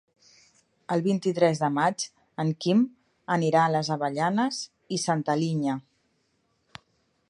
El vint-i-tres de maig en Quim anirà a les Avellanes i Santa Linya.